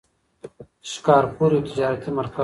شکارپور یو تجارتي مرکز و.